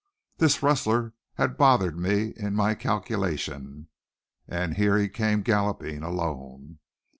This rustler had bothered me in my calculations. And here he came galloping, alone.